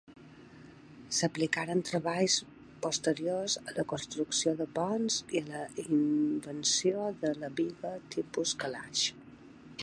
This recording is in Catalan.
S'aplicaren treballs posteriors a la construcció de ponts i a la invenció de la biga tipus calaix.